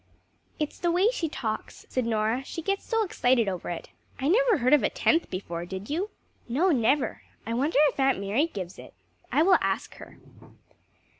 "It's the way she talks," said Norah; "she gets so excited over it. I never heard of a tenth before, did you?" "No, never. I wonder if Aunt Mary gives it, I will ask her."